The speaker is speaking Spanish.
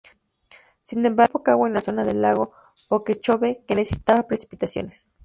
Sin embargo, cayó poca agua en la zona del Lago Okeechobee, que necesitaba precipitaciones.